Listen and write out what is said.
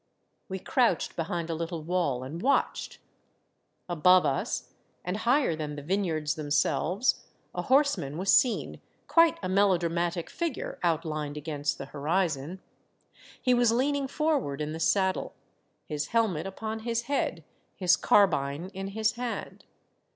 We crouched behind a little wall and watched. Above us, and higher than the vineyards them selves, a horseman was seen, quite a melodramatic figure, outlined against the horizon. He was lean ing forward in the saddle, his helmet upon his head, his carbine in his hand.